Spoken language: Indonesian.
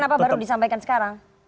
kenapa baru disampaikan sekarang